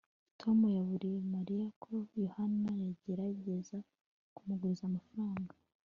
tom yaburiye mariya ko yohana yagerageza kumuguriza amafaranga